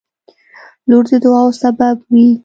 • لور د دعاوو سبب وي.